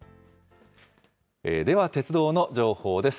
では、鉄道の情報です。